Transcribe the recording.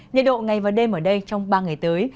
nhiệt độ ngày và đêm ở đây trong ba ngày tới